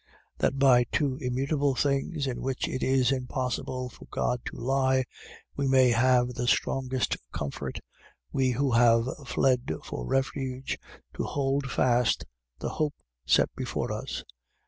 That by two immutable things in which it is impossible for God to lie, we may have the strongest comfort, we who have fled for refuge to hold fast the hope set before us.